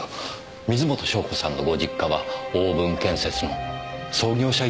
水元湘子さんのご実家は大分建設の創業者一族という事ですか。